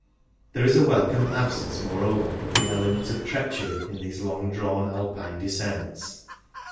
There is a welcome absence, moreover, of the element of treachery in these long drawn Alpine descents.